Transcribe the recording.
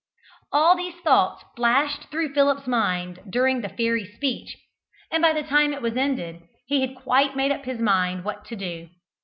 All these thoughts flashed through Philip's mind during the fairy's speech, and by the time it was ended he had quite made up his mind what to do.